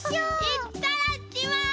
いっただっきます！